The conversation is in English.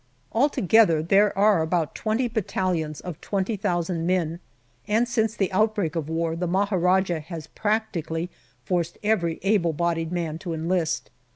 Altogether there are about twenty battalions of 20,000 men, and since the outbreak of war the Maharajah has 170 GALLIPOLI DIARY practically forced every able bodied man to enlist.